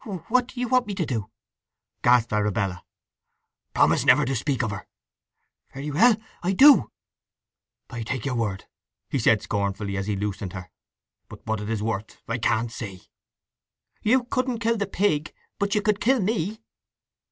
"What do you want me to do?" gasped Arabella. "Promise never to speak of her." "Very well. I do." "I take your word," he said scornfully as he loosened her. "But what it is worth I can't say." "You couldn't kill the pig, but you could kill me!"